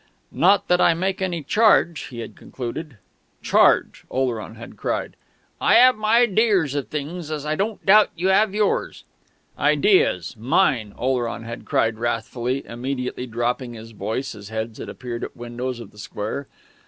"Not that I make any charge " he had concluded. "Charge!" Oleron had cried. "I 'ave my idears of things, as I don't doubt you 'ave yours " "Ideas mine!" Oleron had cried wrathfully, immediately dropping his voice as heads had appeared at windows of the square.